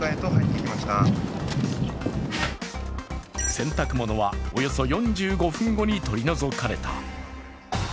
洗濯物は、およそ４５分後に取り除かれた。